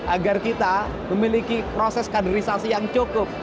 agar kita memiliki proses kaderisasi yang cukup